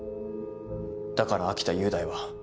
だから秋田雄大は。